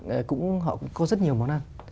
họ cũng có rất nhiều món ăn